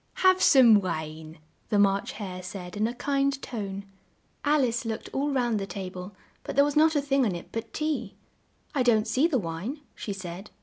"Have some wine," the March Hare said in a kind tone. Al ice looked all round the ta ble, but there was not a thing on it but tea. "I don't see the wine," she said.